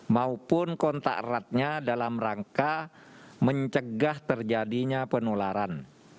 maupun kontak eratnya dalam rangka mencegah terjadinya penularan